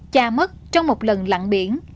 cha mất trong một lần lặng biển